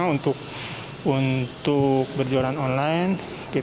untuk berjualan online